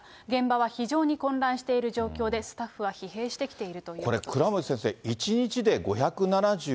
現場は非常に混乱している状況で、スタッフは疲弊してきているといこれ、倉持先生、１日で５７２人。